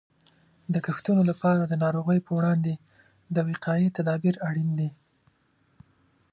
د کښتونو لپاره د ناروغیو په وړاندې د وقایې تدابیر اړین دي.